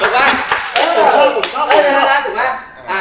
พูดถูกมั้ยถูกมั้ยผมชอบพูดถูกว่า